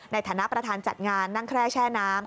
ในฐานะประธานจัดงานนั่งแคร่แช่น้ำ